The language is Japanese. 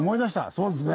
そうですね！